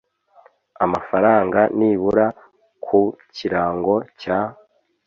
amafaranga nibura ku kirango cya